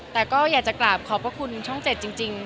แต่ก็อยากจะกราบขอบพระคุณช่อง๗จริง